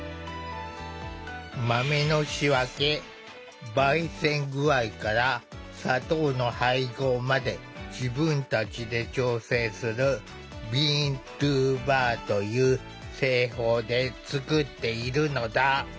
豆の仕分け・ばい煎具合から砂糖の配合まで自分たちで調整する「ＢｅａｎｔｏＢａｒ」という製法で作っているのだ。